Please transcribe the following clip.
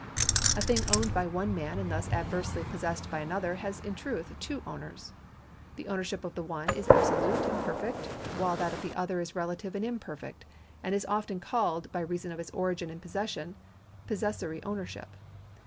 A thing owned b}^ one man and thus adversely possessed by another has in truth two owners. The ownership of the 408 THE LAW OF PROPERTY [§ 161 one is absolute and perfect, while that of the other is relative and imperfect, and is often called, by reason of its origin in possession, possessory ownership.